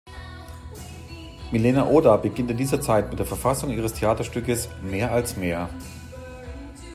Milena Oda beginnt in dieser Zeit mit der Verfassung ihres Theaterstückes "Mehr als Meer".